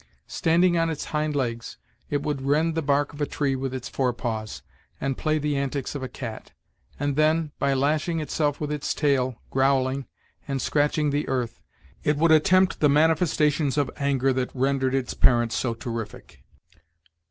Standing on its hind legs, it would rend the bark of a tree with its fore paws, and play the antics of a cat; and then, by lashing itself with its tail, growling, and scratching the earth, it would at tempt the manifestations of anger that rendered its parent so terrific.